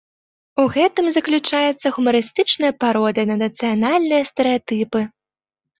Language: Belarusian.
У гэтым заключаецца гумарыстычная пародыя на нацыянальныя стэрэатыпы.